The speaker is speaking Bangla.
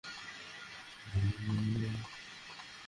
এতে যদি আমার মৃত্যু হয়, তবে আমি মৃত্যুকেই বরণ করে নেব।